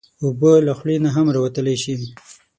اوبه له خولې نه هم راوتلی شي.